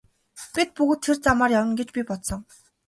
Бид бүгд тэр замаар явна гэж би бодсон.